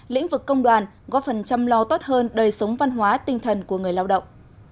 lĩnh vực công đoàn góp phần chăm lo tốt hơn đời sống văn hóa tinh thần của người lao động